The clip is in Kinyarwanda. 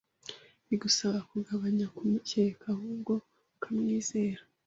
bigusaba kugabanya kumukeka ahubwo ukamwizera